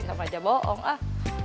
sama aja bohong ah